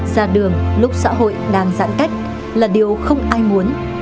ra đường lúc xã hội đang giãn cách là điều không ai muốn